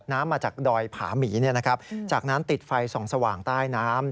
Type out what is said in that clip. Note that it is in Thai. น้ำมาจากดอยผามีเนี่ยนะครับจากนั้นติดไฟส่องสว่างใต้น้ำ